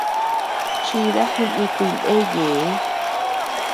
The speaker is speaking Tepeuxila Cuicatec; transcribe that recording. Chida jinikuy ndeyee.